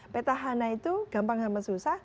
petahana itu gampang sama susah